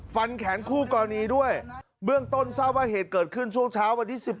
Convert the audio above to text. ฟันแขนคู่กรณีด้วยเบื้องต้นทราบว่าเหตุเกิดขึ้นช่วงเช้าวันที่๑๖